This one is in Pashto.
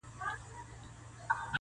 ده هم وركړل انعامونه د ټگانو!.